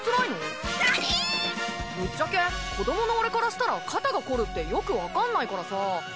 ぶっちゃけ子どもの俺からしたら肩がこるってよくわかんないからさ。